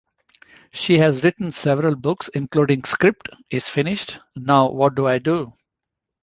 She has written several books, including Script Is Finished, Now What Do I Do?